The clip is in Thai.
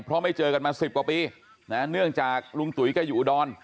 เพราะไม่เจอกันมาสิบกว่าปีนะเนื่องจากลุงตุ๋ยแกอยู่อุดร